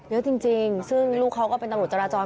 เยอะจริงซึ่งลูกเขาก็เป็นตำรวจจราจร